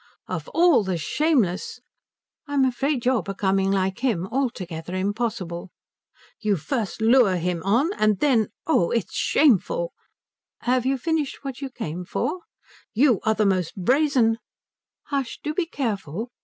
"Of all the shameless " "I'm afraid you're becoming like him altogether impossible." "You first lure him on, and then oh, it is shameful!" "Have you finished what you came for?" "You are the most brazen " "Hush. Do be careful.